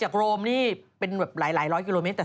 สนับสนุนโดยดีที่สุดคือการให้ไม่สิ้นสุด